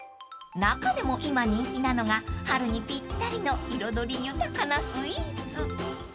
［中でも今人気なのが春にぴったりの彩り豊かなスイーツ］